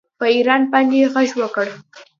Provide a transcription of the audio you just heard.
په ایران باندې غږ وکړ